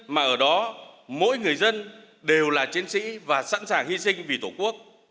mà ở đó mỗi người dân đều là chiến sĩ và sẵn sàng hy sinh vì tổ quốc